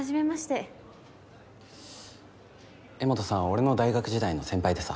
江本さんは俺の大学時代の先輩でさ。